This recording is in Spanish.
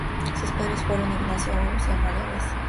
Sus padres fueron Ignacio Ávalos y Amalia Vez.